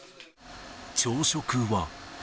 朝食は。